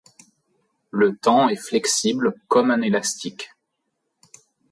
Le temps est flexible comme un élastique.